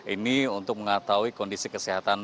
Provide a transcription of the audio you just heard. ini untuk mengetahui kondisi kesehatan